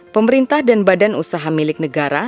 pemerintah dan badan usaha milik negara